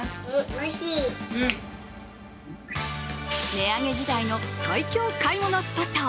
値上げ時代の最強買い物スポット。